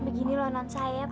begini loh non saya pernah